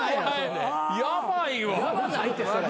ヤバないってそれ。